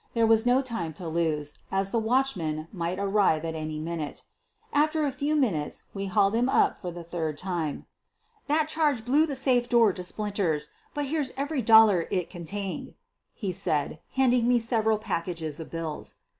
There was no time to lose, as the watchman might return at any minute. After a few minutes we hauled him up for the third time. "That charge blew the safe door to splinters, but here's every dollar it contained," he said, handing me several packages of bills.